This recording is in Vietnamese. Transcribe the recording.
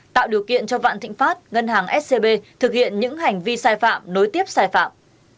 tạo điều kiện cho vạn thịnh pháp ngân hàng scb thực hiện những hành vi sai phạm nối tiếp sai phạm